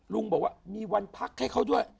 ลุงบอกว่ามีวันพักให้เขาด้วย